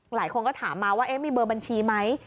หลายคนก็ถามมาว่ามีเบอร์บัญชีไหม